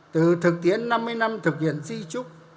từ thực tiễn năm mươi năm thực hiện di trúc